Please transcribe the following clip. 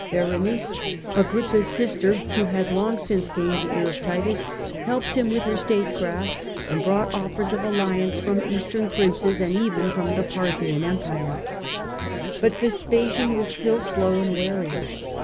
Berenice, Agrippa's sister, who had long since gained the ear of Titus, helped him with her statecraft and brought offers of alliance from Eastern princes and even from the Parthian empire. But Vespasian was still slow and wary.